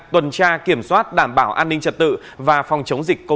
tuần tra kiểm soát đảm bảo an ninh trật tự